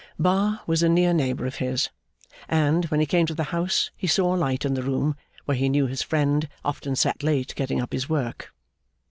Bar was a near neighbour of his, and, when he came to the house, he saw a light in the room where he knew his friend often sat late getting up his work.